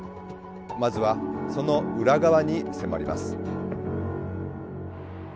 まずはその裏側に迫ります。